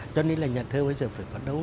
cho nên là nhà thơ bây giờ phải phấn đấu